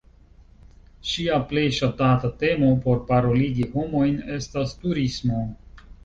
Ŝia plej ŝatata temo por paroligi homojn estas "turismo".